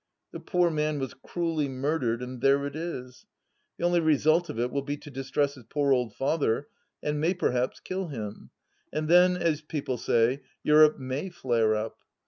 The poor man was crueUy murdered, and there it is ! The only result of it will be to distress his poor old father, and may perhaps kill him, and then, as people say, Europe may flare up.